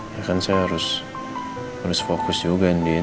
ya kan saya harus fokus juga ini